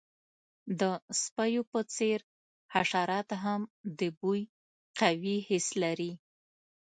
د سپیو په څیر، حشرات هم د بوی قوي حس لري.